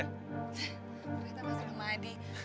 rere tapi belum mandi